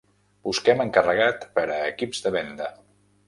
Busquem encarregat per a equips de venda.